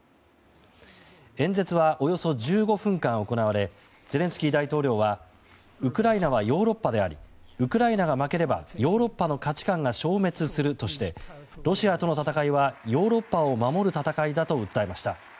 演説はおよそ１５分間行われゼレンスキー大統領はウクライナはヨーロッパでありウクライナが負ければヨーロッパの価値観が消滅するとしてロシアとの戦いはヨーロッパを守る戦いだと訴えました。